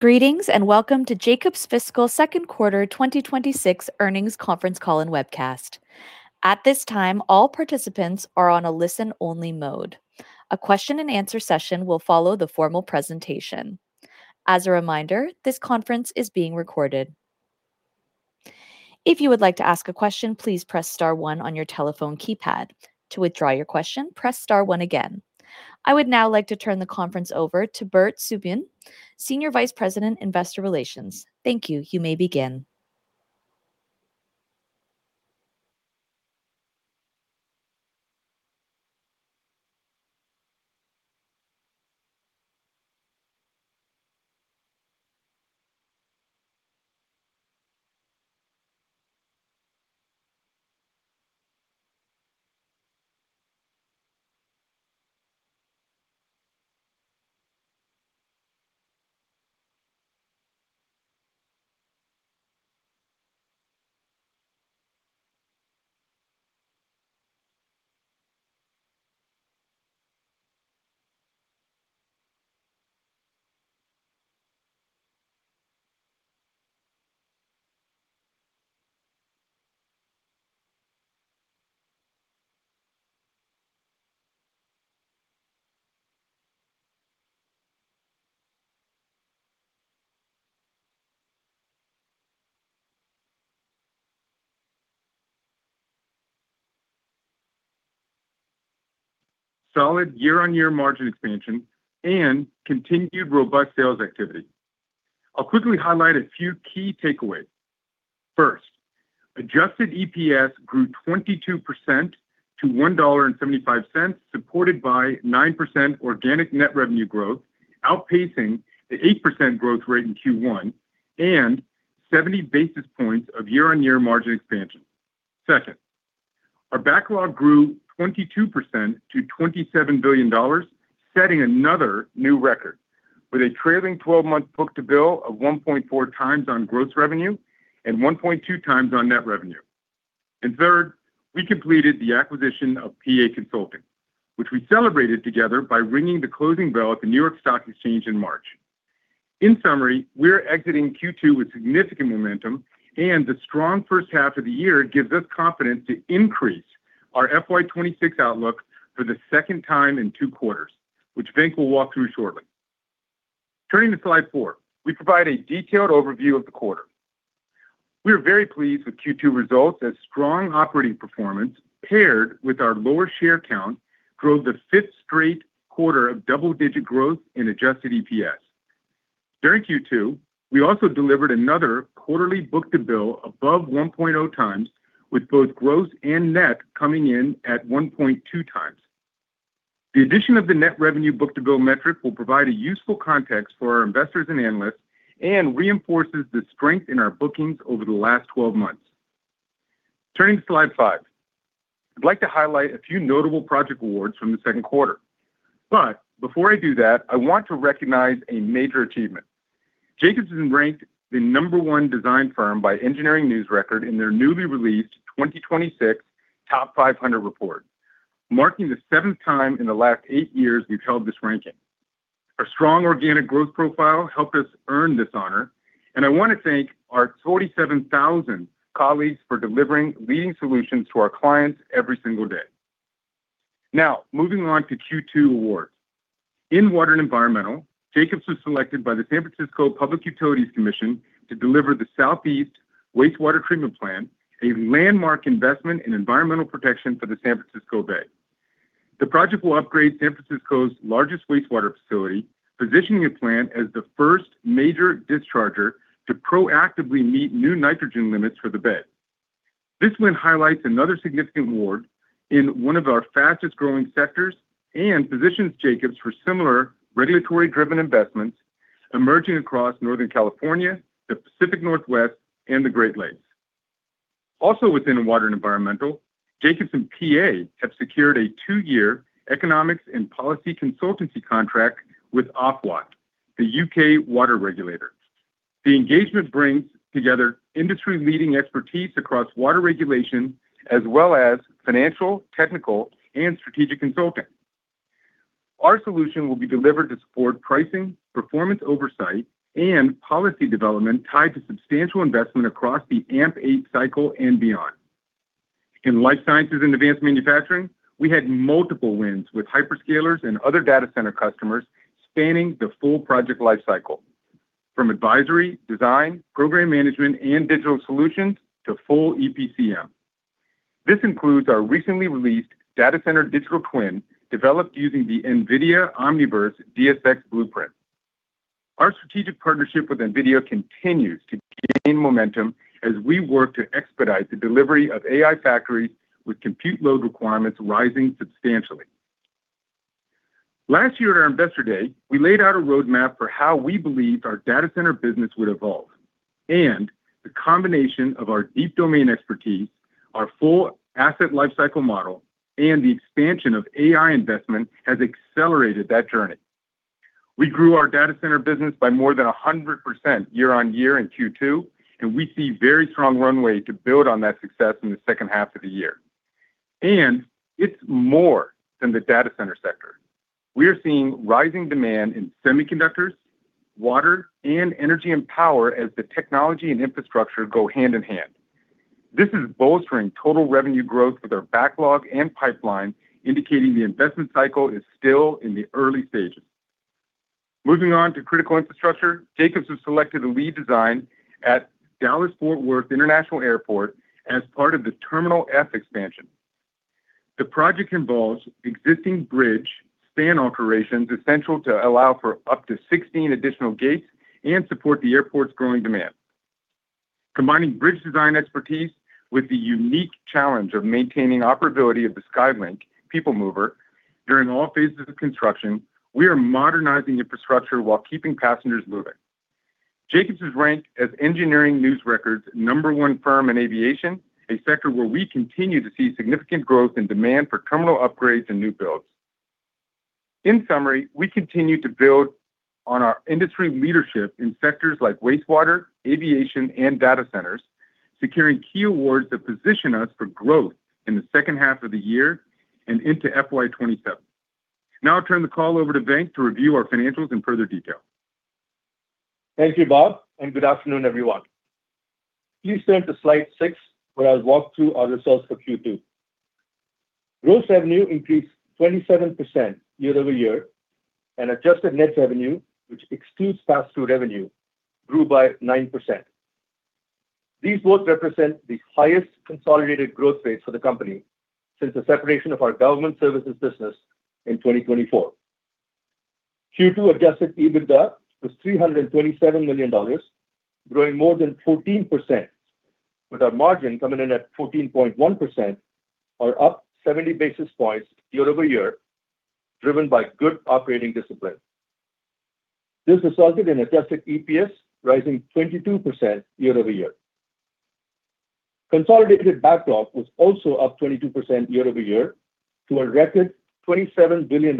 Greetings, and welcome to Jacobs Fiscal Second Quarter 2026 earnings conference call and webcast. At this time, all participants are on a listen-only mode. A question-and-answer session will follow the formal presentation. As a reminder, this conference is being recorded. If you would like to ask a question, please press star one on your telephone keypad. To withdraw your question, press star one again. I would now like to turn the conference over to Bert Subin, Senior Vice President, Investor Relations. Thank you. You may begin. Solid year-over-year margin expansion and continued robust sales activity. I'll quickly highlight a few key takeaways. First, adjusted EPS grew 22% to $1.75, supported by 9% organic net revenue growth, outpacing the 8% growth rate in Q1 and 70 basis points of year-over-year margin expansion. Second, our backlog grew 22% to $27 billion, setting another new record with a trailing 12-month book-to-bill of 1.4x on gross revenue and 1.2x on net revenue. Third, we completed the acquisition of PA Consulting, which we celebrated together by ringing the closing bell at the New York Stock Exchange in March. In summary, we are exiting Q2 with significant momentum, and the strong first half of the year gives us confidence to increase our FY 2026 outlook for the second time in two quarters, which Venk will walk through shortly. Turning to slide four, we provide a detailed overview of the quarter. We are very pleased with Q2 results as strong operating performance paired with our lower share count drove the fifth straight quarter of double-digit growth in adjusted EPS. During Q2, we also delivered another quarterly book-to-bill above 1.0x, with both gross and net coming in at 1.2x. The addition of the net revenue book-to-bill metric will provide a useful context for our investors and analysts and reinforces the strength in our bookings over the last 12 months. Turning to slide five. I'd like to highlight a few notable project awards from the second quarter. Before I do that, I want to recognize a major achievement. Jacobs has been ranked the number one design firm by Engineering News-Record in their newly released 2026 Top 500 report, marking the seventh time in the last eight years we've held this ranking. Our strong organic growth profile helped us earn this honor, and I want to thank our 47,000 colleagues for delivering leading solutions to our clients every single day. Now, moving on to Q2 awards. In Water & Environmental, Jacobs was selected by the San Francisco Public Utilities Commission to deliver the Southeast Wastewater Treatment Plant, a landmark investment in environmental protection for the San Francisco Bay. The project will upgrade San Francisco's largest wastewater facility, positioning the plant as the first major discharger to proactively meet new nitrogen limits for the bay. This win highlights another significant award in one of our fastest-growing sectors and positions Jacobs for similar regulatory-driven investments emerging across Northern California, the Pacific Northwest, and the Great Lakes. Also within Water & Environmental, Jacobs and PA have secured a two-year economics and policy consultancy contract with Ofwat, the U.K. water regulator. The engagement brings together industry-leading expertise across water regulation as well as financial, technical, and strategic consulting. Our solution will be delivered to support pricing, performance oversight, and policy development tied to substantial investment across the AMP8 cycle and beyond. In Life Sciences & Advanced Manufacturing, we had multiple wins with hyperscalers and other data center customers spanning the full project life cycle, from advisory, design, program management, and digital solutions to full EPCM. This includes our recently released data center digital twin, developed using the NVIDIA Omniverse DSX blueprint. Our strategic partnership with NVIDIA continues to gain momentum as we work to expedite the delivery of AI factories with compute load requirements rising substantially. Last year at our Investor Day, we laid out a roadmap for how we believed our data center business would evolve, and the combination of our deep domain expertise, our full asset lifecycle model, and the expansion of AI investment has accelerated that journey. We grew our data center business by more than 100% year-on-year in Q2. We see very strong runway to build on that success in the second half of the year. It's more than the data center sector. We are seeing rising demand in semiconductors, water, and energy and power as the technology and infrastructure go hand in hand. This is bolstering total revenue growth with our backlog and pipeline, indicating the investment cycle is still in the early stages. Moving on to Critical Infrastructure, Jacobs has selected a lead design at Dallas Fort Worth International Airport as part of the Terminal F expansion. The project involves existing bridge span alterations essential to allow for up to 16 additional gates and support the airport's growing demand. Combining bridge design expertise with the unique challenge of maintaining operability of the SkyLink people mover during all phases of construction, we are modernizing infrastructure while keeping passengers moving. Jacobs is ranked as Engineering News-Record number one firm in aviation, a sector where we continue to see significant growth in demand for terminal upgrades and new builds. In summary, we continue to build on our industry leadership in sectors like wastewater, aviation, and data centers, securing key awards that position us for growth in the second half of the year and into FY 2027. Now I turn the call over to Venk to review our financials in further detail. Thank you, Bob, and good afternoon, everyone. Please turn to slide six, where I'll walk through our results for Q2. Gross revenue increased 27% year-over-year, and adjusted net revenue, which excludes pass-through revenue, grew by 9%. These both represent the highest consolidated growth rates for the company since the separation of our government services business in 2024. Q2 Adjusted EBITDA was $327 million, growing more than 14%, with our margin coming in at 14.1% or up 70 basis points year-over-year, driven by good operating discipline. This resulted in adjusted EPS rising 22% year-over-year. Consolidated backlog was also up 22% year-over-year to a record $27 billion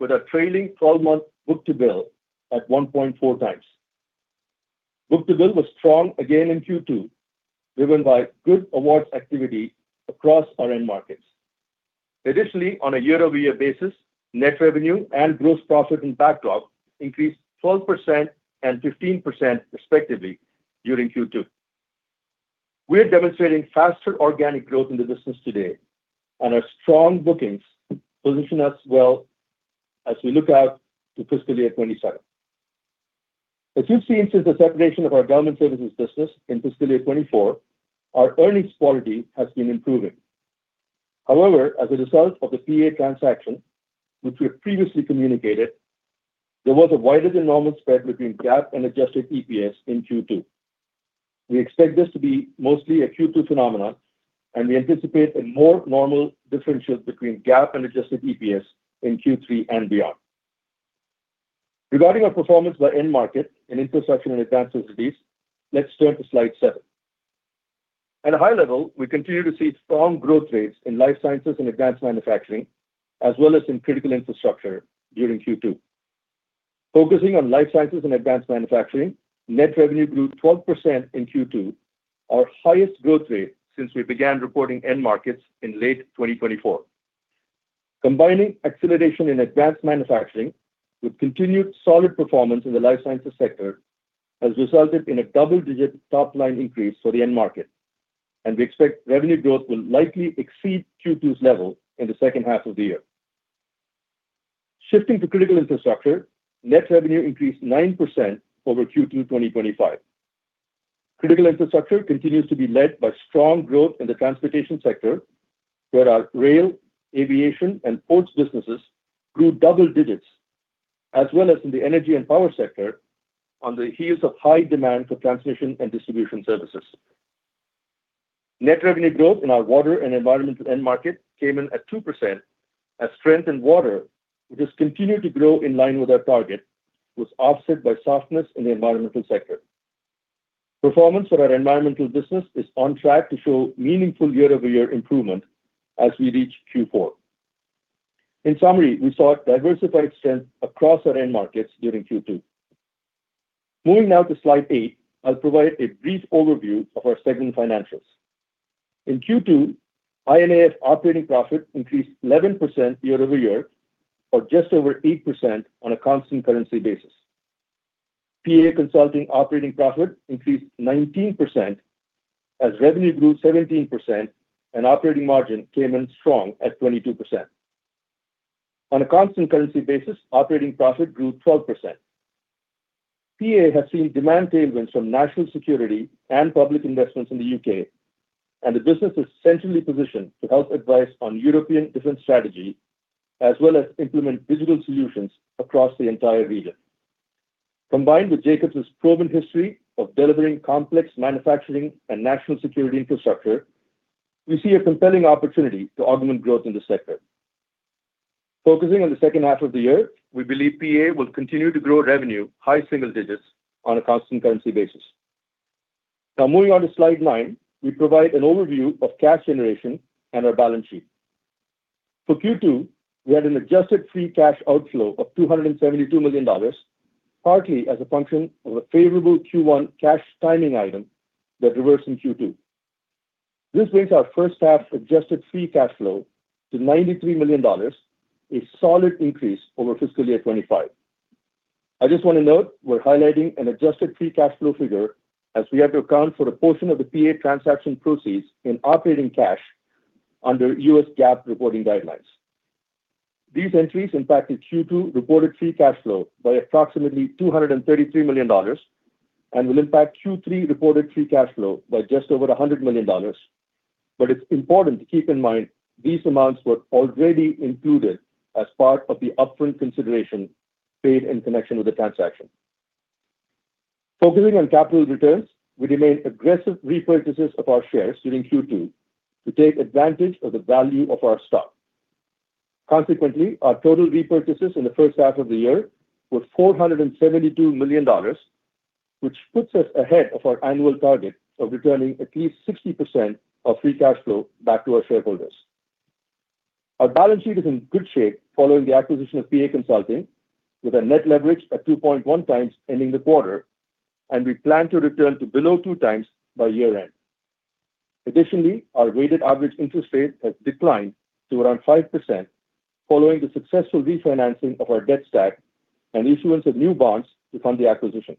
with a trailing 12-month book-to-bill at 1.4x. Book-to-bill was strong again in Q2, driven by good awards activity across our end markets. Additionally, on a year-over-year basis, net revenue and gross profit in backlog increased 12% and 15% respectively during Q2. We are demonstrating faster organic growth in the business today and our strong bookings position us well as we look out to fiscal year 2027. As you've seen since the separation of our government services business in fiscal year 2024, our earnings quality has been improving. However, as a result of the PA transaction, which we have previously communicated, there was a wider than normal spread between GAAP and adjusted EPS in Q2. We expect this to be mostly a Q2 phenomenon, and we anticipate a more normal differential between GAAP and adjusted EPS in Q3 and beyond. Regarding our performance by end market in infrastructure and advanced industries, let's turn to slide seven. At a high level, we continue to see strong growth rates in Life Sciences & Advanced Manufacturing, as well as in Critical Infrastructure during Q2. Focusing on Life Sciences & Advanced Manufacturing, net revenue grew 12% in Q2, our highest growth rate since we began reporting end markets in late 2024. Combining acceleration in advanced manufacturing with continued solid performance in the life sciences sector has resulted in a double-digit top-line increase for the end market, and we expect revenue growth will likely exceed Q2's level in the second half of the year. Shifting to Critical Infrastructure, net revenue increased 9% over Q2 2025. Critical Infrastructure continues to be led by strong growth in the transportation sector, where our rail, aviation, and ports businesses grew double digits, as well as in the energy and power sector on the heels of high demand for transmission and distribution services. Net revenue growth in our Water & Environmental end market came in at 2% as strength in Water, which has continued to grow in line with our target, was offset by softness in the environmental sector. Performance for our Environmental business is on track to show meaningful year-over-year improvement as we reach Q4. In summary, we saw diversified strength across our end markets during Q2. Moving now to slide eight, I'll provide a brief overview of our segment financials. In Q2, I&AF operating profit increased 11% year-over-year or just over 8% on a constant currency basis. PA Consulting operating profit increased 19% as revenue grew 17% and operating margin came in strong at 22%. On a constant currency basis, operating profit grew 12%. PA has seen demand tailwinds from national security and public investments in the U.K., and the business is centrally positioned to help advise on European defense strategy as well as implement digital solutions across the entire region. Combined with Jacobs' proven history of delivering complex manufacturing and national security infrastructure, we see a compelling opportunity to augment growth in this sector. Focusing on the second half of the year, we believe PA will continue to grow revenue high single digits on a constant currency basis. Moving on to slide nine, we provide an overview of cash generation and our balance sheet. For Q2, we had an adjusted free cash outflow of $272 million, partly as a function of a favorable Q1 cash timing item that reversed in Q2. This brings our first half adjusted free cash flow to $93 million, a solid increase over fiscal year 2025. I just wanna note, we're highlighting an adjusted free cash flow figure as we have to account for the portion of the PA transaction proceeds in operating cash under U.S. GAAP reporting guidelines. These entries impacted Q2 reported free cash flow by approximately $233 million and will impact Q3 reported free cash flow by just over a $100 million. It's important to keep in mind these amounts were already included as part of the upfront consideration paid in connection with the transaction. Focusing on capital returns, we remain aggressive repurchases of our shares during Q2 to take advantage of the value of our stock. Consequently, our total repurchases in the first half of the year were $472 million, which puts us ahead of our annual target of returning at least 60% of free cash flow back to our shareholders. Our balance sheet is in good shape following the acquisition of PA Consulting, with a net leverage at 2.1x ending the quarter, and we plan to return to below 2x by year-end. Additionally, our weighted average interest rate has declined to around 5% following the successful refinancing of our debt stack and issuance of new bonds to fund the acquisition.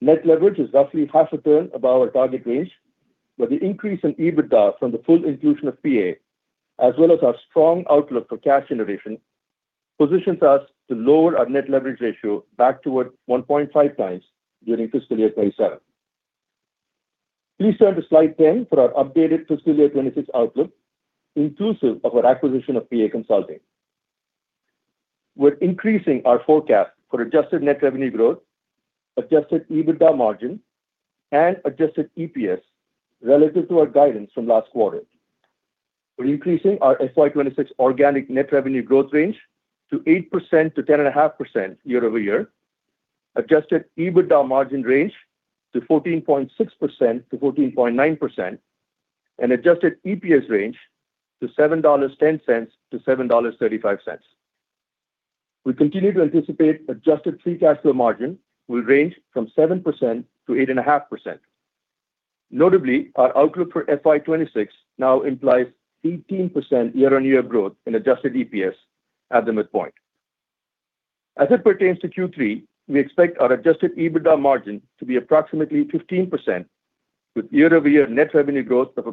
Net leverage is roughly half a turn above our target range, but the increase in EBITDA from the full inclusion of PA, as well as our strong outlook for cash generation, positions us to lower our net leverage ratio back toward 1.5x during fiscal year 2027. Please turn to slide 10 for our updated fiscal year 2026 outlook, inclusive of our acquisition of PA Consulting. We're increasing our forecast for adjusted net revenue growth, Adjusted EBITDA margin, and adjusted EPS relative to our guidance from last quarter. We're increasing our FY 2026 organic net revenue growth range to 8%-10.5% year-over-year, Adjusted EBITDA margin range to 14.6%-14.9%, and adjusted EPS range to $7.10-$7.35. We continue to anticipate adjusted free cash flow margin will range from 7%-8.5%. Notably, our outlook for FY 2026 now implies 18% year-on-year growth in adjusted EPS at the midpoint. As it pertains to Q3, we expect our Adjusted EBITDA margin to be approximately 15% with year-over-year net revenue growth of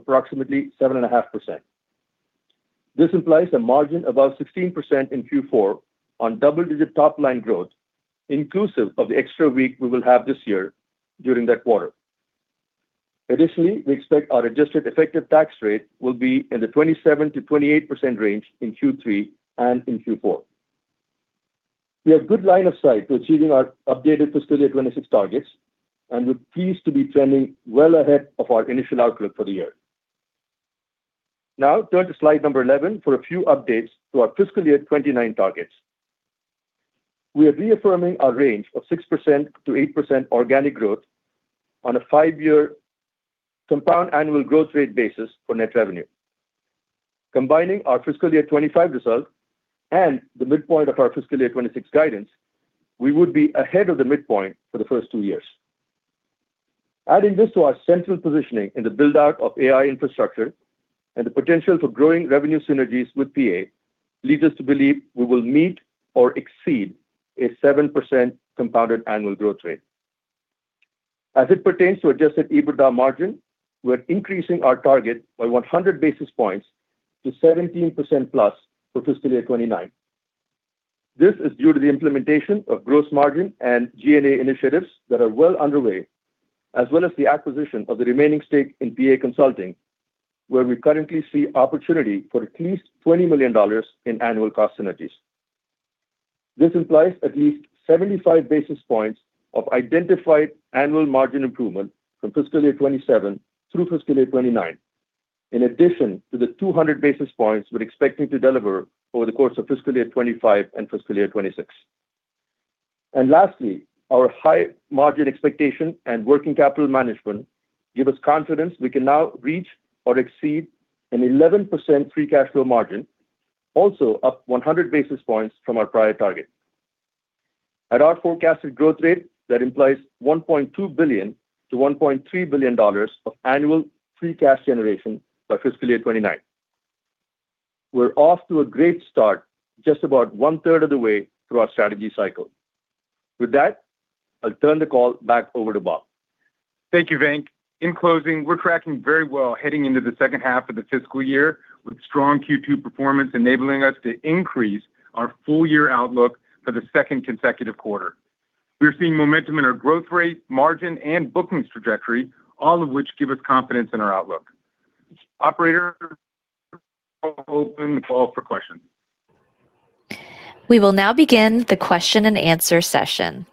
approximately 7.5%. This implies a margin above 16% in Q4 on double-digit top line growth, inclusive of the extra week we will have this year during that quarter. Additionally, we expect our adjusted effective tax rate will be in the 27%-28% range in Q3 and Q4. We have good line of sight to achieving our updated fiscal year 2026 targets, and we're pleased to be trending well ahead of our initial outlook for the year. Now turn to slide number 11 for a few updates to our fiscal year 2029 targets. We are reaffirming our range of 6%-8% organic growth on a five-year compound annual growth rate basis for net revenue. Combining our fiscal year 2025 results and the midpoint of our fiscal year 2026 guidance, we would be ahead of the midpoint for the first two years. Adding this to our central positioning in the build-out of AI infrastructure and the potential for growing revenue synergies with PA leads us to believe we will meet or exceed a 7% compounded annual growth rate. As it pertains to Adjusted EBITDA margin, we're increasing our target by 100 basis points to 17%+ for FY 2029. This is due to the implementation of gross margin and G&A initiatives that are well underway, as well as the acquisition of the remaining stake in PA Consulting, where we currently see opportunity for at least $20 million in annual cost synergies. This implies at least 75 basis points of identified annual margin improvement from FY 2027 through FY 2029. In addition to the 200 basis points we're expecting to deliver over the course of FY 2025 and FY 2026. Lastly, our high margin expectation and working capital management give us confidence we can now reach or exceed an 11% free cash flow margin, also up 100 basis points from our prior target. At our forecasted growth rate, that implies $1.2 billion to $1.3 billion of annual free cash generation by fiscal year 2029. We're off to a great start, just about 1/3 of the way through our strategy cycle. With that, I'll turn the call back over to Bob. Thank you, Venk. In closing, we're tracking very well heading into the second half of the fiscal year with strong Q2 performance enabling us to increase our full year outlook for the second consecutive quarter. We're seeing momentum in our growth rate, margin, and bookings trajectory, all of which give us confidence in our outlook. Operator, open the call for questions. We will now begin the question-and-answer session.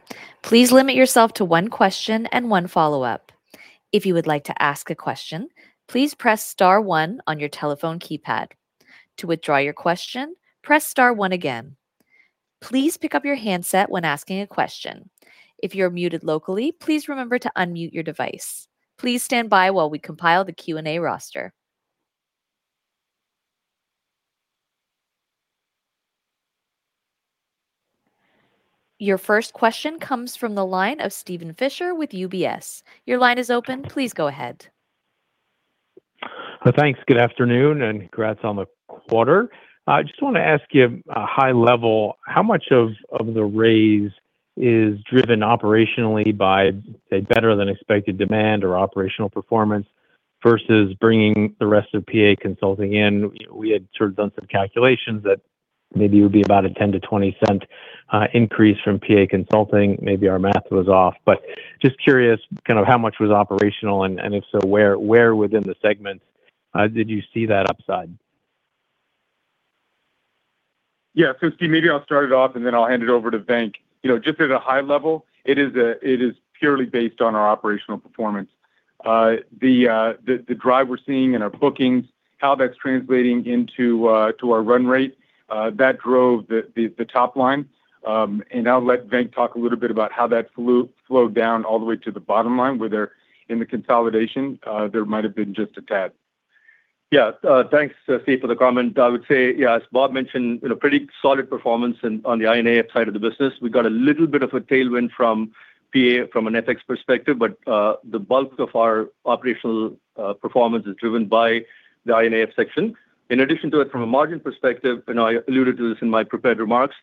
Please limit yourself to one question and one follow-up. If you would like to ask a question, please press star one on your telephone keypad. To withdraw your question, press star one again. Please pick up your handset when asking a question. If you're muted locally, please remember to unmute your device. Please stand by while we compile the Q&A roster. Your first question comes from the line of Steven Fisher with UBS. Your line is open. Please go ahead. Thanks. Good afternoon and congrats on the quarter. I just wanna ask you, high level, how much of the raise is driven operationally by, say, better than expected demand or operational performance versus bringing the rest of PA Consulting in? We had sort of done some calculations that maybe it would be about a $0.10 to $0.20 increase from PA Consulting. Maybe our math was off, but just curious kind of how much was operational and if so, where within the segments did you see that upside? Yeah. Steve, maybe I'll start it off and then I'll hand it over to Venk. You know, just at a high level, it is purely based on our operational performance. The drive we're seeing in our bookings, how that's translating into to our run rate, that drove the top line. I'll let Venk talk a little bit about how that flowed down all the way to the bottom line where there, in the consolidation, there might have been just a tad. Yeah. Thanks, Steve, for the comment. I would say, yeah, as Bob mentioned, you know, pretty solid performance on the I&AF side of the business. We got a little bit of a tailwind from PA from an FX perspective, but the bulk of our operational performance is driven by the I&AF section. In addition to it, from a margin perspective, and I alluded to this in my prepared remarks,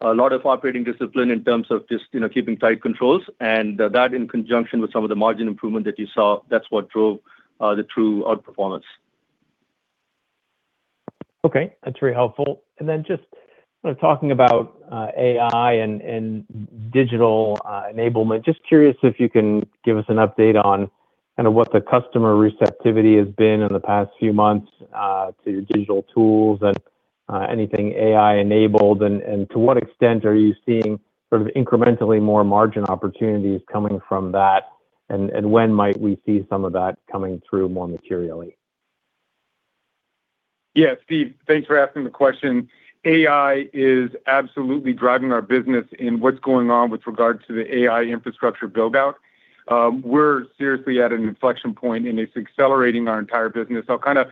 a lot of operating discipline in terms of just, you know, keeping tight controls, and that in conjunction with some of the margin improvement that you saw, that's what drove the true outperformance. Okay. That's very helpful. Just sort of talking about AI and digital enablement, just curious if you can give us an update on kinda what the customer receptivity has been in the past few months to your digital tools and anything AI enabled. To what extent are you seeing sort of incrementally more margin opportunities coming from that? When might we see some of that coming through more materially? Steve, thanks for asking the question. AI is absolutely driving our business in what's going on with regard to the AI infrastructure build-out. We're seriously at an inflection point, and it's accelerating our entire business. I'll kinda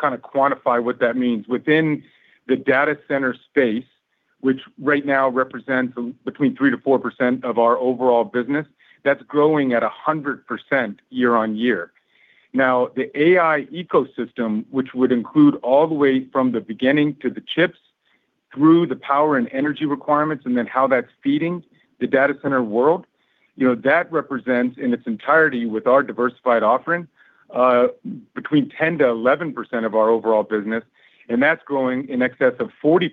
quantify what that means. Within the data center space, which right now represents between 3%-4% of our overall business, that's growing at 100% year-on-year. The AI ecosystem, which would include all the way from the beginning to the chips through the power and energy requirements and then how that's feeding the data center world, you know, that represents, in its entirety with our diversified offering, between 10%-11% of our overall business, and that's growing in excess of 40%.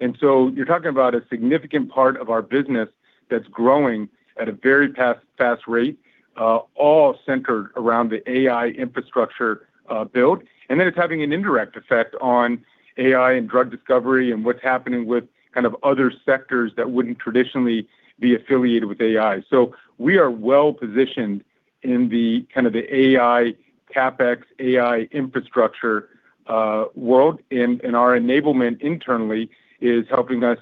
You're talking about a significant part of our business that's growing at a very fast rate, all centered around the AI infrastructure build. It's having an indirect effect on AI and drug discovery and what's happening with kind of other sectors that wouldn't traditionally be affiliated with AI. We are well-positioned in the kind of the AI CapEx, AI infrastructure world. Our enablement internally is helping us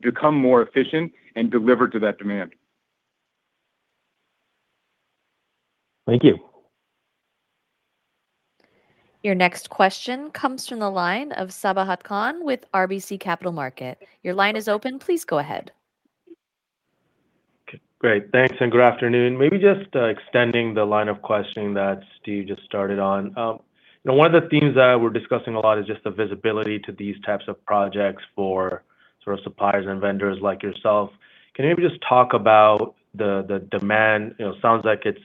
become more efficient and deliver to that demand. Thank you. Your next question comes from the line of Sabahat Khan with RBC Capital Market. Your line is open. Please go ahead. Great. Thanks, and good afternoon. Maybe just extending the line of questioning that Steve just started on. You know, one of the themes that we're discussing a lot is just the visibility to these types of projects for sort of suppliers and vendors like yourself. Can you maybe just talk about the demand? You know, sounds like it's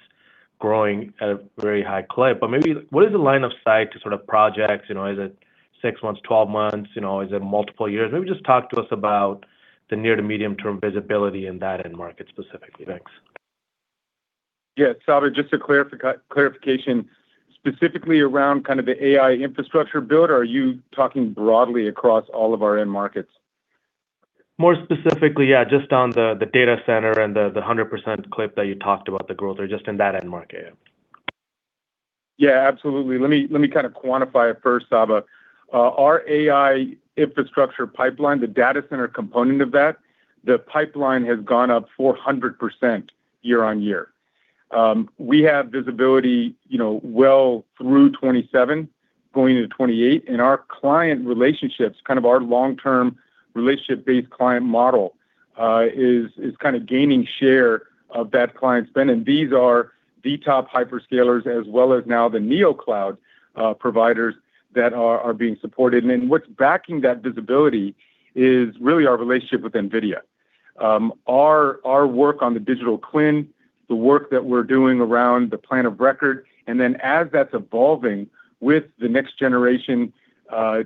growing at a very high clip, but maybe what is the line of sight to sort of projects? You know, is it six months, 12 months? You know, is it multiple years? Maybe just talk to us about the near to medium term visibility in that end market specifically. Thanks. Yeah. Sabah, just to clarification, specifically around kind of the AI infrastructure build, or are you talking broadly across all of our end markets? More specifically, yeah, just on the data center and the 100% clip that you talked about, the growth or just in that end market. Yeah, absolutely. Let me, let me kind of quantify it first, Sabah. Our AI infrastructure pipeline, the data center component of that, the pipeline has gone up 400% year-on-year. We have visibility, you know, well through 2027, going into 2028, and our client relationships, kind of our long-term relationship-based client model, is kind of gaining share of that client spend. These are the top hyperscalers as well as now the neocloud providers that are being supported. What's backing that visibility is really our relationship with NVIDIA. Our work on the digital twin, the work that we're doing around the plan of record, and then as that's evolving with the next generation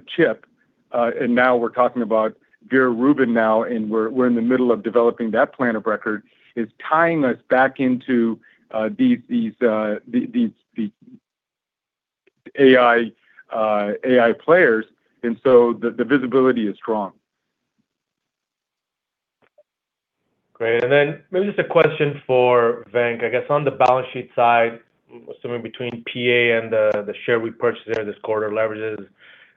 chip, and now we're talking about Vera Rubin now, and we're in the middle of developing that plan of record, is tying us back into these AI players. The visibility is strong. Great. Maybe just a question for Venk. I guess on the balance sheet side, assuming between PA and the share we purchased there this quarter leverages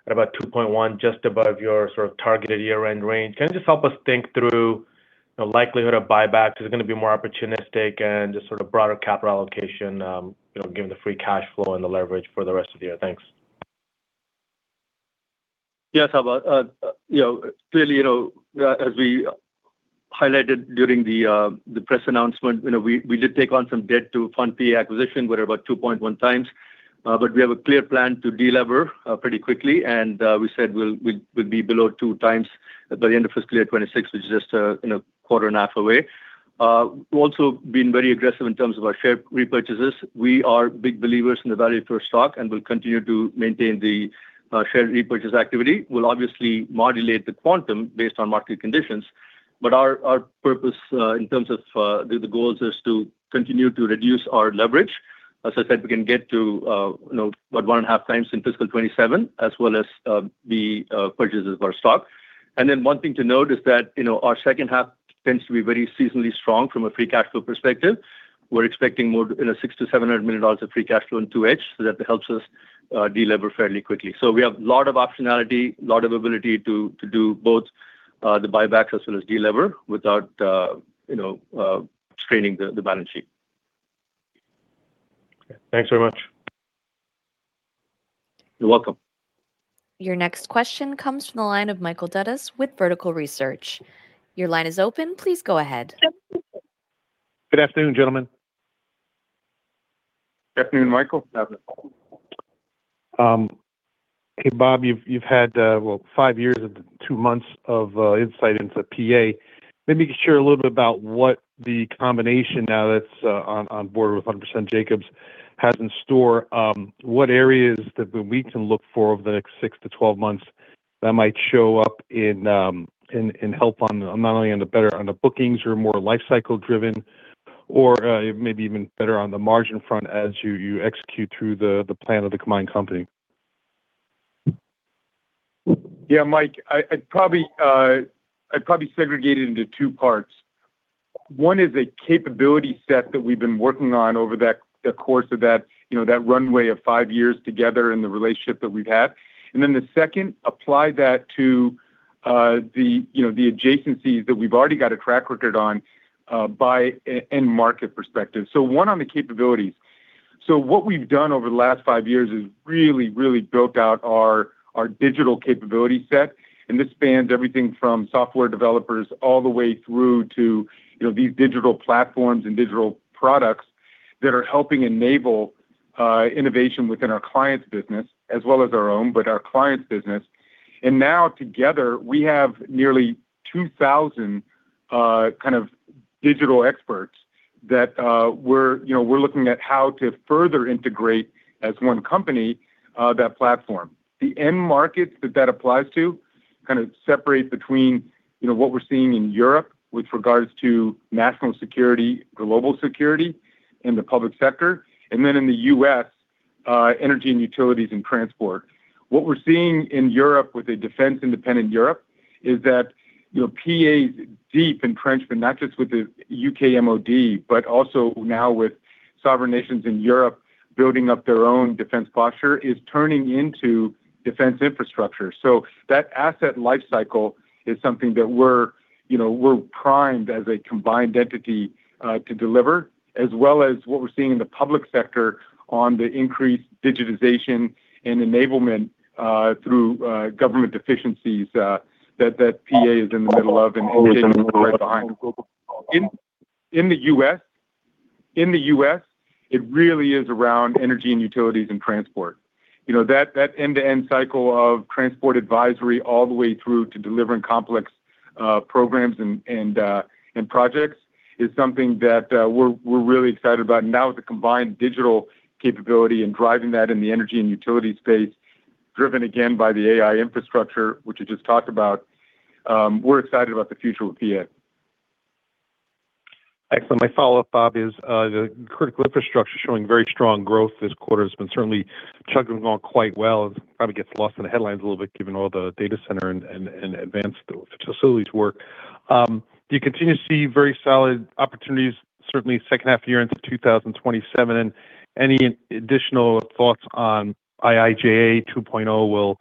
at about 2.1x, just above your sort of targeted year-end range. Can you just help us think through the likelihood of buyback? Is it gonna be more opportunistic and just sort of broader capital allocation, you know, given the free cash flow and the leverage for the rest of the year? Thanks. Yes, how about, clearly, as we highlighted during the press announcement, we did take on some debt to fund PA acquisition. We're about 2.1x, but we have a clear plan to de-lever pretty quickly. We said we'll be below 2x by the end of fiscal year 2026, which is just quarter and a half away. We've also been very aggressive in terms of our share repurchases. We are big believers in the value of our stock, and we'll continue to maintain the share repurchase activity. We'll obviously modulate the quantum based on market conditions, but our purpose in terms of the goals is to continue to reduce our leverage. As I said, we can get to about 1.5x in fiscal 2027, as well as the purchases of our stock. One thing to note is that our second half tends to be very seasonally strong from a free cash flow perspective. We're expecting more $600 million to $700 million of free cash flow in 2H, that helps us de-lever fairly quickly. We have a lot of optionality, lot of ability to do both the buybacks as well as de-lever without straining the balance sheet. Okay. Thanks very much. You're welcome. Your next question comes from the line of Michael Dudas with Vertical Research. Your line is open. Please go ahead. Good afternoon, gentlemen. Afternoon, Michael. Afternoon, Michael. Hey, Bob, you've had, well, five years and two months of insight into PA. Maybe you could share a little bit about what the combination now that's on board with 100% Jacobs has in store. What areas that we can look for over the next six to 12 months that might show up in help on not only on the better on the bookings or more lifecycle driven or maybe even better on the margin front as you execute through the plan of the combined company? Yeah, Mike, I'd probably segregate it into two parts. One is a capability set that we've been working on over that, the course of that, you know, that runway of five years together and the relationship that we've had. The second, apply that to the, you know, the adjacencies that we've already got a track record on by e-end market perspective. So one on the capabilities. What we've done over the last five years is really built out our digital capability set, and this spans everything from software developers all the way through to, you know, these digital platforms and digital products that are helping enable innovation within our clients' business as well as our own, but our clients' business. Now together, we have nearly 2,000 digital experts that we're, you know, we're looking at how to further integrate as one company that platform. The end markets that that applies to separate between, you know, what we're seeing in Europe with regards to national security, global security in the public sector, and then in the U.S., energy and utilities and transport. What we're seeing in Europe with a defense-independent Europe is that, you know, PA's deep entrenchment, not just with the U.K. MOD, but also now with sovereign nations in Europe building up their own defense posture, is turning into defense infrastructure. That asset life cycle is something that we're primed as a combined entity to deliver, as well as what we're seeing in the public sector on the increased digitization and enablement through government efficiencies that PA is in the middle of and right behind. In the U.S., it really is around energy and utilities and transport. That end-to-end cycle of transport advisory all the way through to delivering complex programs and projects is something that we're really excited about. Now with the combined digital capability and driving that in the energy and utility space, driven again by the AI infrastructure, which you just talked about, we're excited about the future with PA. Excellent. My follow-up, Bob, is the Critical Infrastructure showing very strong growth this quarter has been certainly chugging along quite well. It probably gets lost in the headlines a little bit given all the data center and advanced facilities work. Do you continue to see very solid opportunities, certainly second half of the year into 2027? Any additional thoughts on IIJA 2.0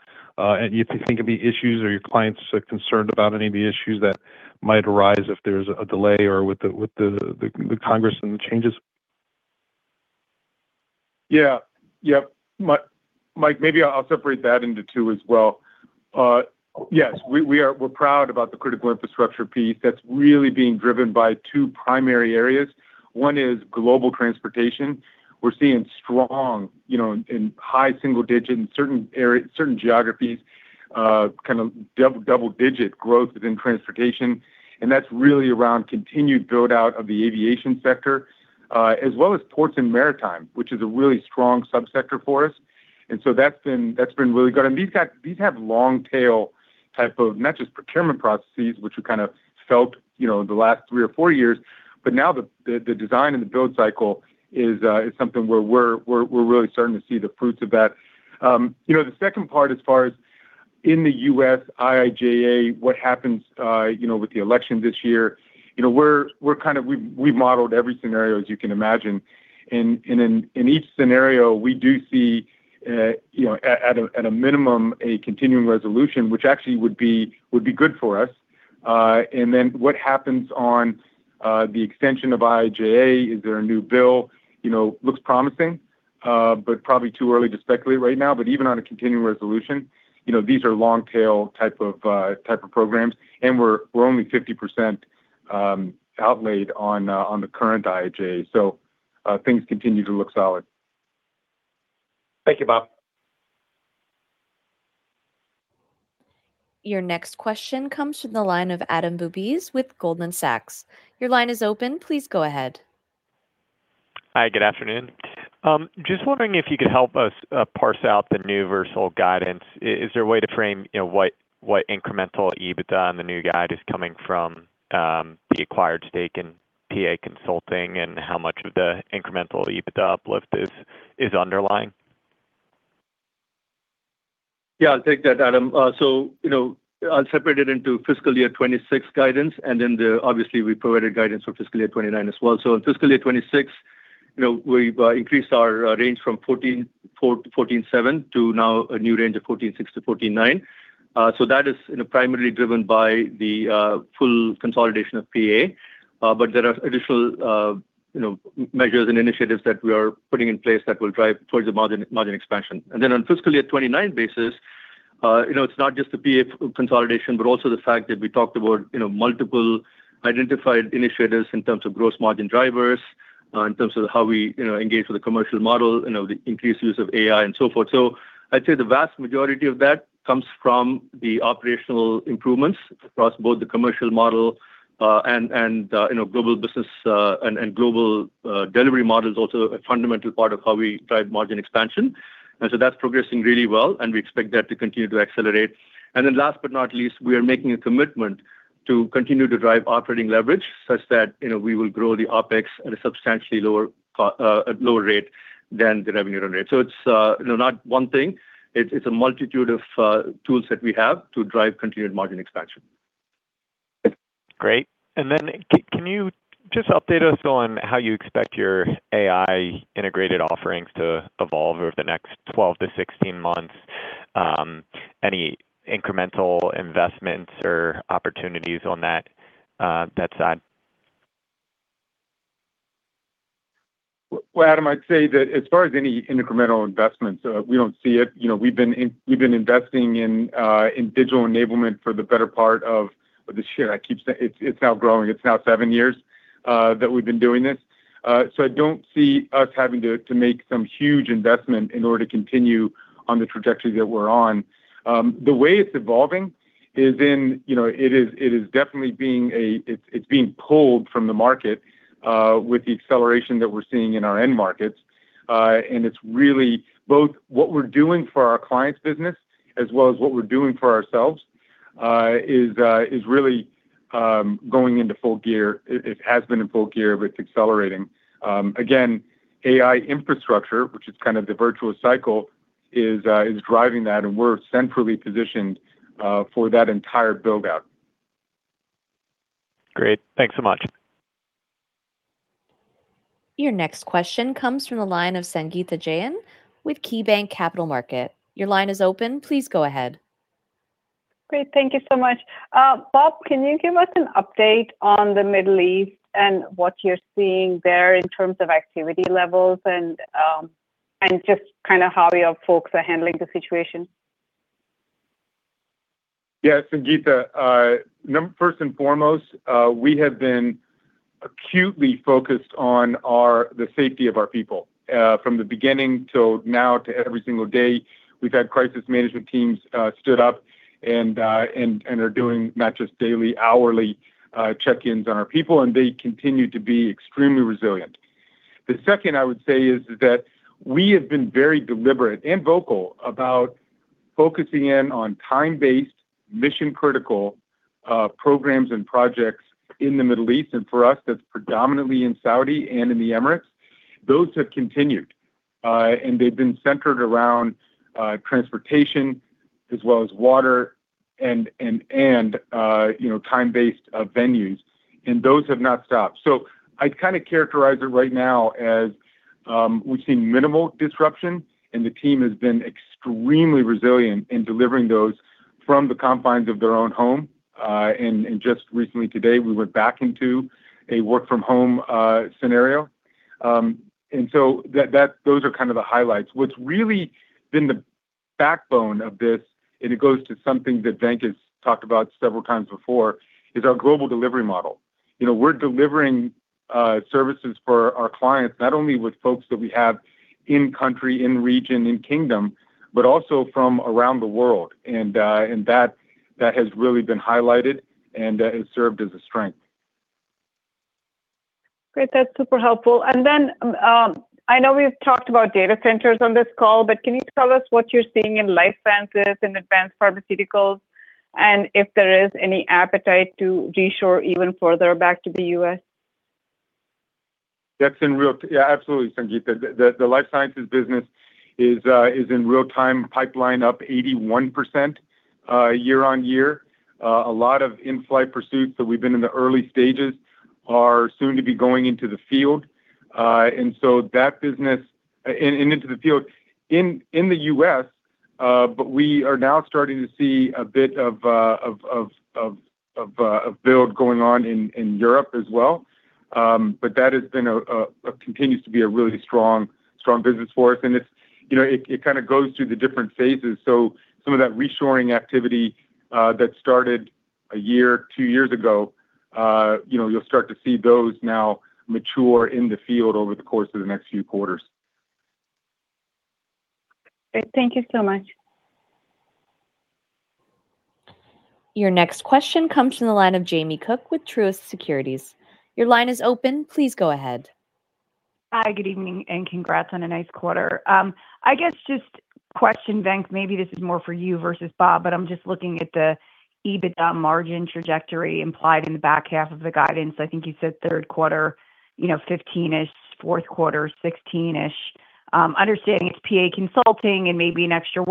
you think could be issues or your clients are concerned about any of the issues that might arise if there's a delay or with the Congress and the changes? Yeah. Yep. Mike, maybe I'll separate that into two as well. Yes. We are proud about the Critical Infrastructure piece that's really being driven by two primary areas. One is global transportation. We're seeing strong, you know, in high single digit, in certain areas, certain geographies, kind of double-digit growth within transportation, that's really around continued build-out of the aviation sector, as well as ports and maritime, which is a really strong subsector for us. That's been really good. These have long tail type of not just procurement processes, which we kind of felt, you know, in the last three or four years, but now the design and the build cycle is something where we're really starting to see the fruits of that. You know, the second part as far as, In the U.S., IIJA, what happens, you know, with the election this year, we've modeled every scenario as you can imagine and, in each scenario we do see, you know, at a minimum a continuing resolution which actually would be good for us. What happens on the extension of IIJA, is there a new bill? You know, looks promising, but probably too early to speculate right now. Even on a continuing resolution, you know, these are long tail type of programs, and we're only 50% outlaid on the current IIJA. Things continue to look solid. Thank you, Bob. Your next question comes from the line of Adam Bubes with Goldman Sachs. Your line is open. Please go ahead. Hi, good afternoon. Just wondering if you could help us parse out the new versatile guidance. Is there a way to frame, you know, what incremental EBITDA and the new guide is coming from, the acquired stake in PA Consulting? And how much of the incremental EBITDA uplift is underlying? Yeah, I'll take that, Adam. You know, I'll separate it into fiscal year 2026 guidance and then Obviously we provided guidance for fiscal year 2029 as well. In fiscal year 2026, you know, we've increased our range from 14.7% to now a new range of 14.6%-14.9%. That is, you know, primarily driven by the full consolidation of PA. There are additional, you know, measures and initiatives that we are putting in place that will drive towards the margin expansion. On FY 2029 basis, you know, it's not just the PA Consulting consolidation, but also the fact that we talked about, you know, multiple identified initiatives in terms of gross margin drivers, in terms of how we, you know, engage with the commercial model, you know, the increased use of AI and so forth. I'd say the vast majority of that comes from the operational improvements across both the commercial model, and, you know, global business, and global delivery model is also a fundamental part of how we drive margin expansion. That's progressing really well and we expect that to continue to accelerate. Last but not least, we are making a commitment to continue to drive operating leverage such that, you know, we will grow the OpEx at a substantially lower rate than the revenue rate. It's, you know, not one thing. It's a multitude of tools that we have to drive continued margin expansion. Great. Then can you just update us on how you expect your AI integrated offerings to evolve over the next 12 to 16 months? Any incremental investments or opportunities on that side? Well, Adam, I'd say that as far as any incremental investments, we don't see it. You know, we've been investing in digital enablement for the better part of this year. I keep saying It's, it's now growing. It's now seven years that we've been doing this. I don't see us having to make some huge investment in order to continue on the trajectory that we're on. The way it's evolving is, you know, it is definitely being pulled from the market with the acceleration that we're seeing in our end markets. It's really both—what we're doing for our clients' business as well as what we're doing for ourselves is really going into full gear. It has been in full gear, but it's accelerating. Again, AI infrastructure, which is kind of the virtuous cycle, is driving that, and we're centrally positioned for that entire build-out. Great. Thanks so much. Your next question comes from the line of Sangita Jain with KeyBanc Capital Market. Your line is open. Please go ahead. Great. Thank you so much. Bob, can you give us an update on the Middle East and what you're seeing there in terms of activity levels and just kind of how your folks are handling the situation? Yeah, Sangita. First and foremost, we have been acutely focused on the safety of our people. From the beginning till now to every single day we've had crisis management teams stood up and are doing not just daily, hourly check-ins on our people, and they continue to be extremely resilient. The second I would say is that we have been very deliberate and vocal about focusing in on time-based mission critical programs and projects in the Middle East, and for us that's predominantly in Saudi and in the Emirates. Those have continued, and they've been centered around transportation as well as water and, you know, time-based venues. Those have not stopped. I'd kind of characterize it right now as, we've seen minimal disruption, and the team has been extremely resilient in delivering those from the confines of their own home. Just recently today we went back into a work from home scenario. Those are kind of the highlights. What's really been the backbone of this, and it goes to something that Venk's talked about several times before, is our global delivery model. You know, we're delivering services for our clients not only with folks that we have in country, in region, in kingdom, but also from around the world. That has really been highlighted and has served as a strength. Great. That's super helpful. I know we've talked about data centers on this call, but can you tell us what you're seeing in life sciences and advanced pharmaceuticals, and if there is any appetite to de-shore even further back to the U.S.? Yeah, absolutely, Sangita. The Life Sciences business is in real time pipeline up 81% year-on-year. A lot of in-flight pursuits that we've been in the early stages are soon to be going into the field. That business and into the field in the U.S., we are now starting to see a bit of a build going on in Europe as well. That continues to be a really strong business for us. It's, you know, it kinda goes through the different phases. Some of that reshoring activity that started one year, two years ago, you know, you'll start to see those now mature in the field over the course of the next few quarters. Great. Thank you so much. Your next question comes from the line of Jamie Cook with Truist Securities. Your line is open. Please go ahead. Hi, good evening, congrats on a nice quarter. I guess just question, Venk, maybe this is more for you versus Bob, but I'm just looking at the EBITDA margin trajectory implied in the back half of the guidance. I think you said third quarter, you know, 15%-ish, fourth quarter, 16%-ish. Understanding it's PA Consulting and maybe an extra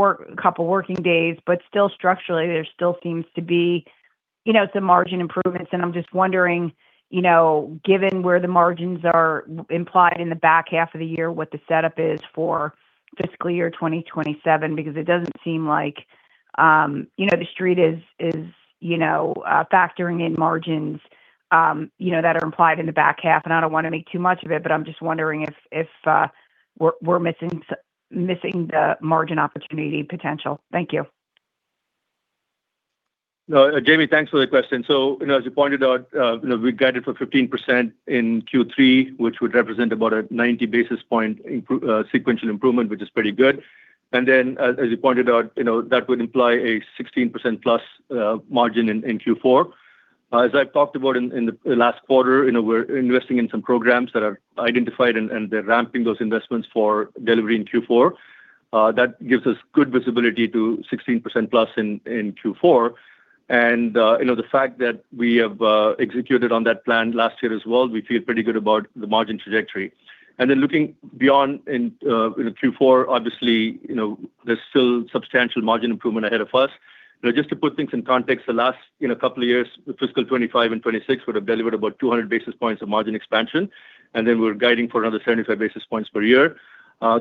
couple working days, but still structurally, there still seems to be, you know, some margin improvements. I'm just wondering, you know, given where the margins are implied in the back half of the year, what the setup is for fiscal year 2027. It doesn't seem like, you know, the Street is, you know, factoring in margins, you know, that are implied in the back half. I don't wanna make too much of it, but I'm just wondering if we're missing the margin opportunity potential. Thank you. Jamie, thanks for the question. You know, as you pointed out, you know, we guided for 15% in Q3, which would represent about a 90 basis point sequential improvement, which is pretty good. As you pointed out, you know, that would imply a 16%+ margin in Q4. As I've talked about in the last quarter, you know, we're investing in some programs that are identified and they're ramping those investments for delivery in Q4. That gives us good visibility to 16%+ in Q4. You know, the fact that we have executed on that plan last year as well, we feel pretty good about the margin trajectory. Looking beyond in Q4, obviously, you know, there's still substantial margin improvement ahead of us. You know, just to put things in context, the last, you know, couple of years, fiscal 2025 and 2026 would've delivered about 200 basis points of margin expansion, and then we're guiding for another 75 basis points per year.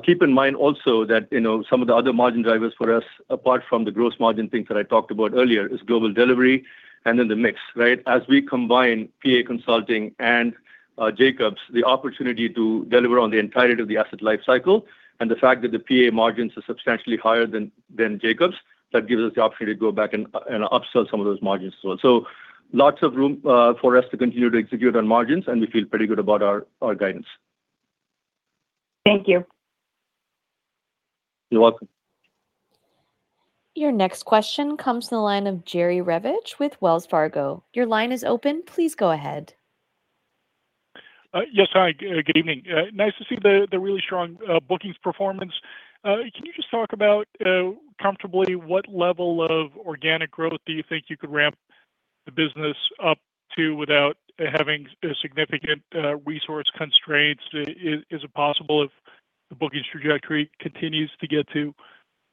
Keep in mind also that, you know, some of the other margin drivers for us, apart from the gross margin things that I talked about earlier, is global delivery and then the mix, right? As we combine PA Consulting and Jacobs, the opportunity to deliver on the entirety of the asset life cycle and the fact that the PA margins are substantially higher than Jacobs, that gives us the opportunity to go back and upsell some of those margins as well. Lots of room for us to continue to execute on margins, and we feel pretty good about our guidance. Thank you. You're welcome. Your next question comes from the line of Jerry Revich with Wells Fargo. Your line is open. Please go ahead. Yes, hi, good evening. Nice to see the really strong bookings performance. Can you just talk about comfortably what level of organic growth do you think you could ramp the business up to without having significant resource constraints? Is it possible if the bookings trajectory continues to get to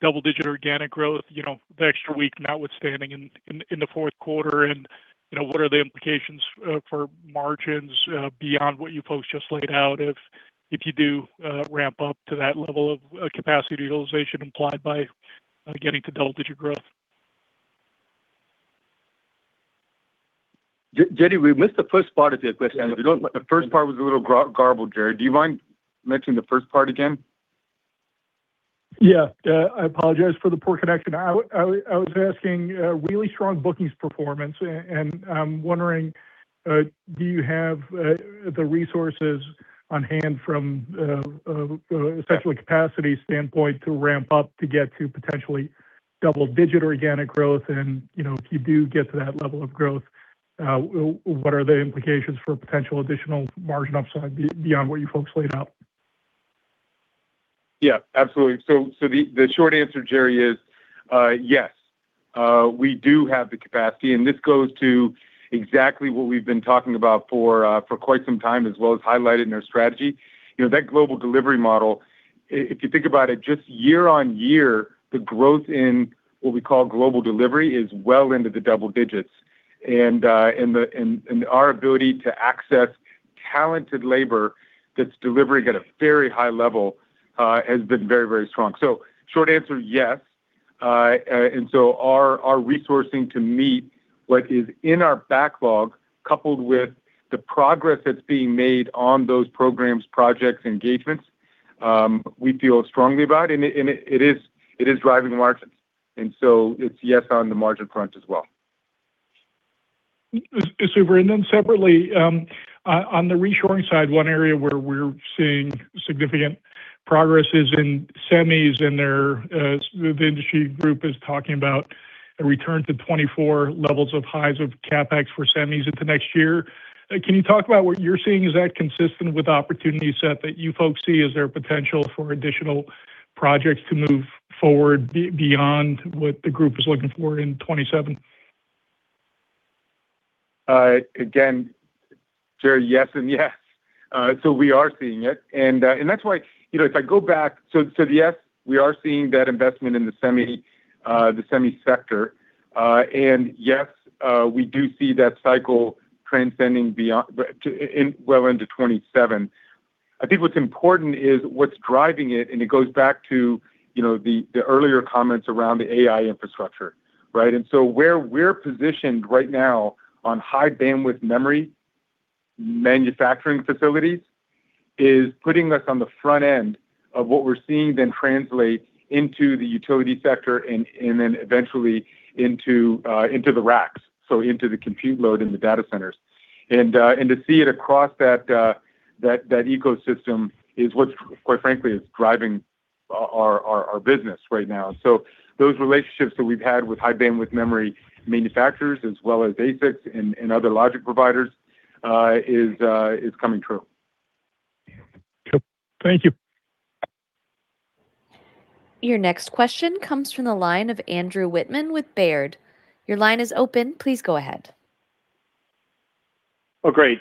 double-digit organic growth, you know, the extra week notwithstanding in the fourth quarter? You know, what are the implications for margins beyond what you folks just laid out if you do ramp up to that level of capacity utilization implied by getting to double-digit growth? Jerry, we missed the first part of your question. Yeah. The first part was a little garbled, Jerry. Do you mind mentioning the first part again? Yeah. I apologize for the poor connection. I was asking, really strong bookings performance, and I'm wondering, do you have the resources on hand from essentially capacity standpoint to ramp up to get to potentially double-digit organic growth? You know, if you do get to that level of growth, what are the implications for potential additional margin upside beyond what you folks laid out? Yeah, absolutely. The short answer, Jerry, is yes, we do have the capacity, and this goes to exactly what we've been talking about for quite some time, as well as highlighted in our strategy. You know, that global delivery model, if you think about it, just year-over-year, the growth in what we call global delivery is well into the double digits. Our ability to access talented labor that's delivering at a very high level has been very strong. Short answer, yes. Our resourcing to meet what is in our backlog, coupled with the progress that's being made on those programs, projects, engagements, we feel strongly about, and it is driving the margins. It's yes on the margin front as well. Separately, on the reshoring side, one area where we are seeing significant progress is in semis and the industry group is talking about a return to 2024 levels of highs of CapEx for semis into next year. Can you talk about what you are seeing? Is that consistent with the opportunity set that you folks see? Is there potential for additional projects to move forward beyond what the group is looking for in 2027? Again, Jerry, yes and yes. We are seeing it. That's why, you know, yes, we are seeing that investment in the semi, the semi sector. Yes, we do see that cycle transcending beyond into 2027. I think what's important is what's driving it goes back to, you know, the earlier comments around the AI infrastructure, right? Where we're positioned right now on high-bandwidth memory manufacturing facilities is putting us on the front end of what we're seeing then translate into the utility sector and then eventually into the racks, into the compute load in the data centers. To see it across that ecosystem is what's, quite frankly, is driving our business right now. Those relationships that we've had with high-bandwidth memory manufacturers as well as ASICs and other logic providers is coming true. Yep. Thank you. Your next question comes from the line of Andrew Wittmann with Baird. Your line is open. Please go ahead. Great.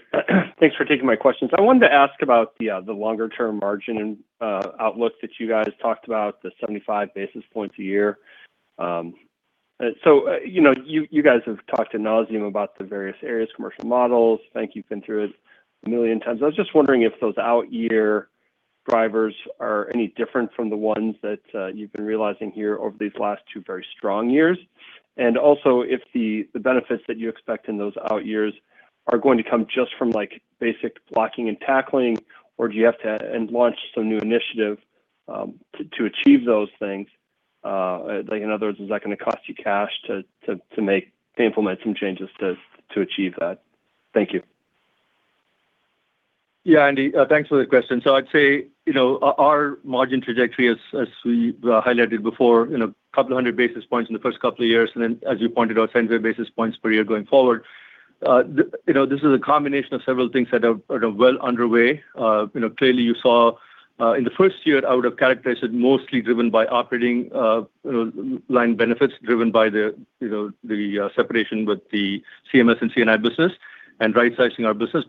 Thanks for taking my questions. I wanted to ask about the longer term margin and outlook that you guys talked about, the 75 basis points a year. You know, you guys have talked ad nauseam about the various areas, commercial models. I think you've been through it a million times. I was just wondering if those out year drivers are any different from the ones that you've been realizing here over these last two very strong years? Also, if the benefits that you expect in those out years are going to come just from like basic blocking and tackling, or do you have to launch some new initiative to achieve those things? Like in other words, is that gonna cost you cash to implement some changes to achieve that? Thank you. Andy, thanks for the question. I'd say, you know, our margin trajectory as we highlighted before in 200 basis points in the first two years, and then as you pointed out, 10 basis points per year going forward. This is a combination of several things that are well underway. You know, clearly you saw, in the first year, I would have characterized it mostly driven by operating, you know, line benefits driven by the, you know, the separation with the CMS and C&I business and right sizing our business.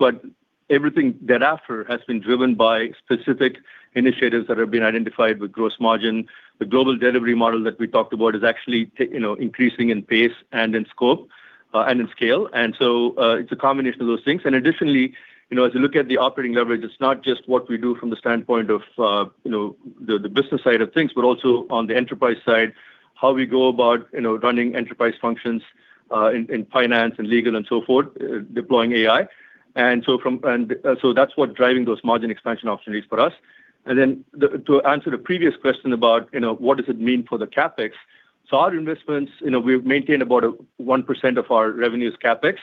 Everything thereafter has been driven by specific initiatives that have been identified with gross margin. The global delivery model that we talked about is actually, you know, increasing in pace and in scope, and in scale. It's a combination of those things. You know, as you look at the operating leverage, it's not just what we do from the standpoint of, you know, the business side of things, but also on the enterprise side, how we go about, you know, running enterprise functions in finance and legal and so forth, deploying AI. That's what driving those margin expansion opportunities for us. To answer the previous question about, you know, what does it mean for the CapEx? Our investments, you know, we've maintained about 1% of our revenues CapEx.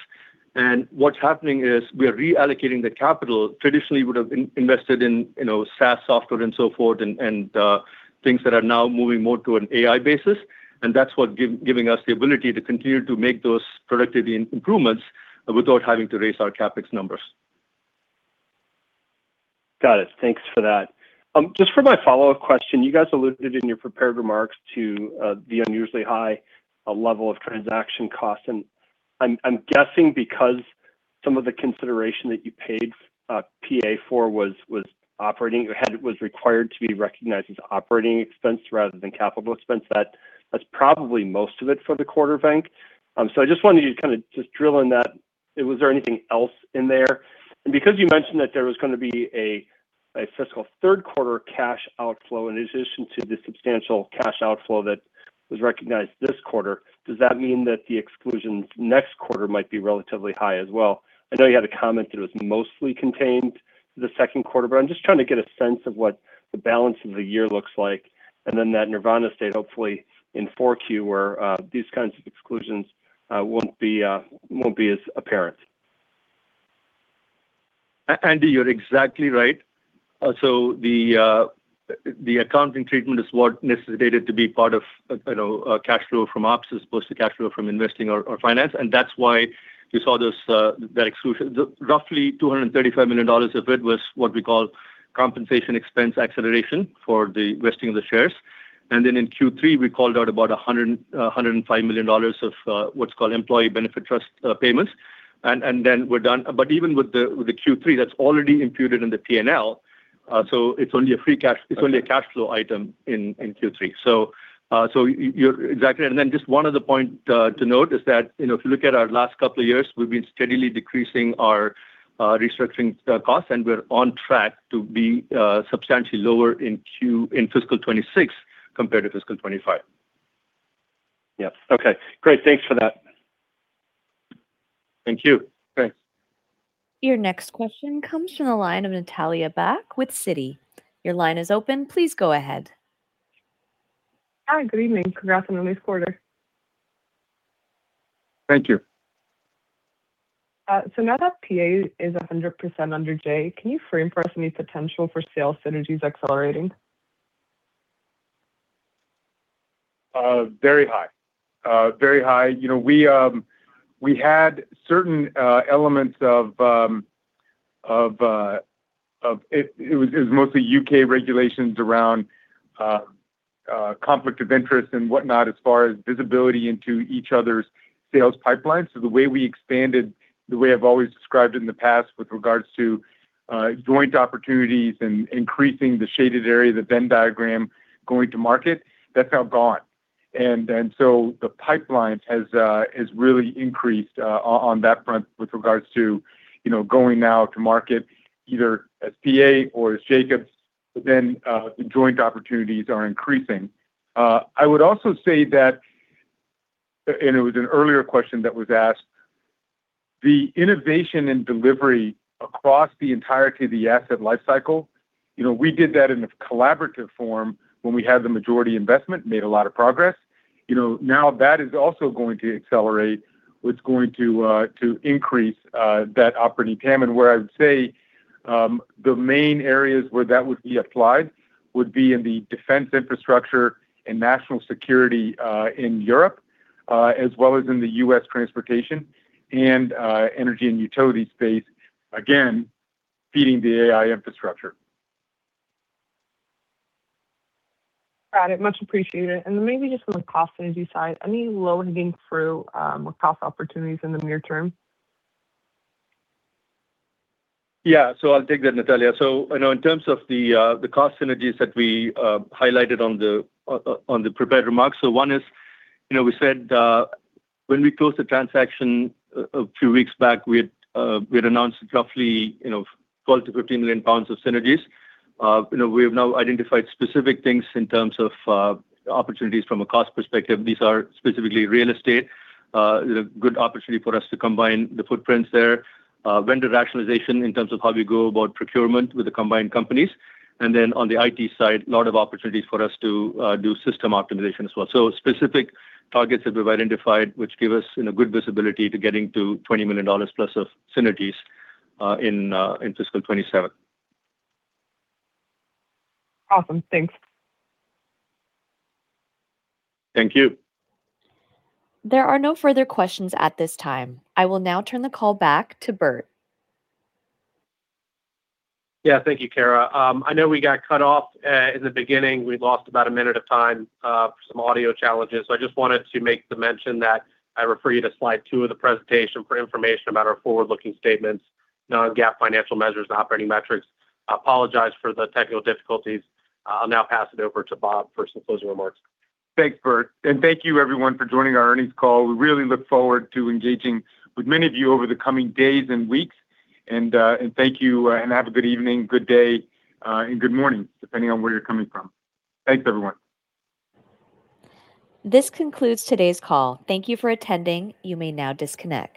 What's happening is we are reallocating the capital traditionally would have invested in, you know, SaaS software and so forth and, things that are now moving more to an AI basis. That's what giving us the ability to continue to make those productivity improvements without having to raise our CapEx numbers. Got it. Thanks for that. Just for my follow-up question, you guys alluded in your prepared remarks to the unusually high level of transaction costs. I'm guessing because some of the consideration that you paid PA for was operating or was required to be recognized as OpEx rather than CapEx, that that's probably most of it for the quarter, Venk. I just wanted you to kind of just drill in that. Was there anything else in there? Because you mentioned that there was going to be a fiscal third quarter cash outflow in addition to the substantial cash outflow that was recognized this quarter, does that mean that the exclusions next quarter might be relatively high as well? I know you had a comment that it was mostly contained to the second quarter, but I am just trying to get a sense of what the balance of the year looks like. Then that Nirvana state, hopefully in 4Q, where these kinds of exclusions won't be as apparent. Andy, you're exactly right. The accounting treatment is what necessitated to be part of, you know, cash flow from ops as opposed to cash flow from investing or finance. That's why you saw this that exclusion. Roughly $235 million of it was what we call compensation expense acceleration for the vesting of the shares. Then in Q3, we called out about $105 million of what's called employee benefit trust payments. We're done. Even with the Q3, that's already imputed in the P&L. It's only a free cash. It's only a cash flow item in Q3. Exactly. Just one other point to note is that, you know, if you look at our last couple of years, we've been steadily decreasing our restructuring costs, and we're on track to be substantially lower in Q, in fiscal 2026 compared to fiscal 2025. Yeah. Okay. Great. Thanks for that. Thank you. Your next question comes from the line of Natalia Bak with Citi. Your line is open. Please go ahead. Hi, good evening. Congrats on a nice quarter. Thank you. Now that PA is 100% under J, can you frame for us any potential for sales synergies accelerating? Very high. Very high. You know, we had certain elements of, it was mostly U.K. regulations around conflict of interest and whatnot as far as visibility into each other's sales pipelines. The way we expanded, the way I've always described it in the past with regards to joint opportunities and increasing the shaded area, the Venn diagram going to market, that's now gone. The pipelines has really increased on that front with regards to, you know, going now to market either as PA or as Jacobs. The joint opportunities are increasing. I would also say that, and it was an earlier question that was asked, the innovation and delivery across the entirety of the asset life cycle, you know, we did that in a collaborative form when we had the majority investment, made a lot of progress. You know, now that is also going to accelerate, it's going to increase that operating payment. Where I would say, the main areas where that would be applied would be in the defense infrastructure and national security, in Europe, as well as in the U.S. transportation and energy and utility space, again, feeding the AI infrastructure. Got it. Much appreciated. Maybe just on the cost synergy side, any low-hanging fruit, or cost opportunities in the near term? Yeah. I'll take that, Natalia. I know in terms of the cost synergies that we highlighted on the prepared remarks. One is, you know, we said, when we closed the transaction a few weeks back, we had announced roughly, you know, 12 million-15 million pounds of synergies. You know, we have now identified specific things in terms of opportunities from a cost perspective. These are specifically real estate. A good opportunity for us to combine the footprints there. Vendor rationalization in terms of how we go about procurement with the combined companies. On the IT side, a lot of opportunities for us to do system optimization as well. Specific targets that we've identified, which give us, you know, good visibility to getting to $20+ million of synergies in FY 2027. Awesome. Thanks. Thank you. There are no further questions at this time. I will now turn the call back to Bert. Yeah. Thank you, Kara. I know we got cut off in the beginning. We lost about a minute of time for some audio challenges. I just wanted to make the mention that I refer you to slide two of the presentation for information about our forward-looking statements, non-GAAP financial measures, and operating metrics. I apologize for the technical difficulties. I'll now pass it over to Bob for some closing remarks. Thanks, Bert, thank you everyone for joining our earnings call. We really look forward to engaging with many of you over the coming days and weeks. Thank you, have a good evening, good day, good morning, depending on where you're coming from. Thanks, everyone. This concludes today's call. Thank you for attending. You may now disconnect.